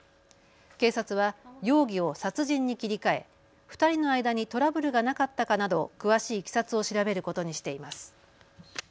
警察は容疑を殺人に切り替え２人の間にトラブルがなかったかなど詳しいいきさつを調べることにしています。